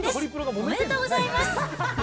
おめでとうございます。